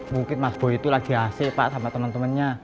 mungkin mas boy tuh lagi ac pak sama temen temennya